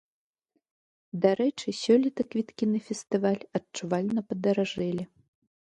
Дарэчы, сёлета квіткі на фестываль адчувальна падаражэлі.